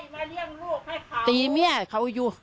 แต่ที่แม่เขาอยู่